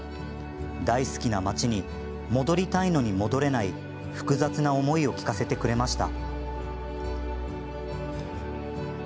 大好きな町に戻りたいのに戻れない複雑な思いを聞かせてくれました。